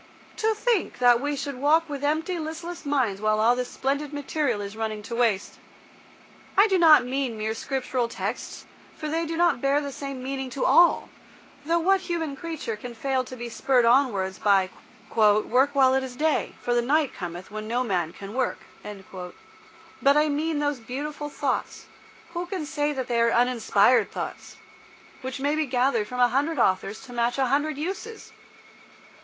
To think that we should walk with empty, listless minds while all this splendid material is running to waste. I do not mean mere Scriptural texts, for they do not bear the same meaning to all, though what human creature can fail to be spurred onwards by "Work while it is day, for the night cometh when no man can work." But I mean those beautiful thoughts—who can say that they are uninspired thoughts?—which may be gathered from a hundred authors to match a hundred uses.